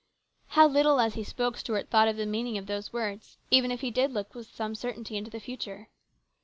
How little, as he spoke, Stuart thought of the meaning of those words, even if he did look with some certainty into the future.